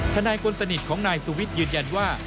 ทนายคนสนิทของนายสุวิทย์ยืนยันว่า